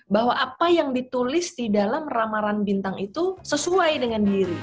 bahwa apa yang ditulis di dalam ramaran bintang itu sesuai dengan diri